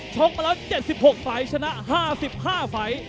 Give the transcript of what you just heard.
มาแล้ว๗๖ไฟล์ชนะ๕๕ไฟล์